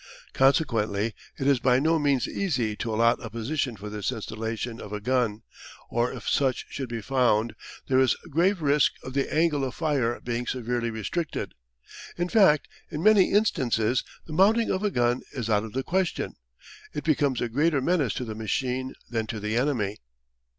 Consequently it is by no means easy to allot a position for the installation of a gun, or if such should be found there is grave risk of the angle of fire being severely restricted. In fact, in many instances the mounting of a gun is out of the question: it becomes a greater menace to the machine than to the enemy.